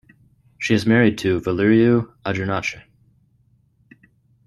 She is married to Valeriu Andrunache.